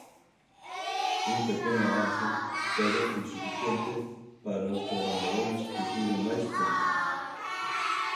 Un pequeno avance pero insuficiente para os traballadores que piden máis tempo.